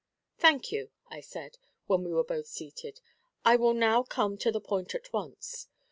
'Thank you,' I said, when we were both seated. 'I will now come to the point at once.